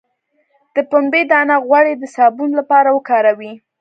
د پنبې دانه غوړي د صابون لپاره وکاروئ